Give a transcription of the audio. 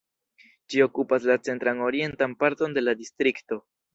Ĝi okupas la centran orientan parton de la distrikto.